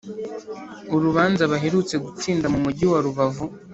Urubanza baherutse gutsinda mu mugi wa Rubavu